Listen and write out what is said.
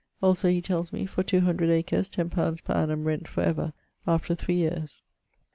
Also he tells me, for 200 acres ten pounds per annum rent for ever, after three yeares.